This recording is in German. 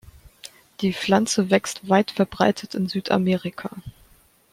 Die Pflanze wächst weitverbreitet in Südamerika.